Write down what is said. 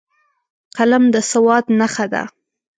قلم د سواد نښه ده